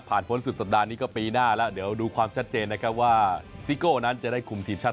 อันนี้เมื่อกี้ซิโก้หรือครับ